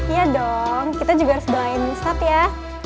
iya dong kita juga harus doain ustadz ya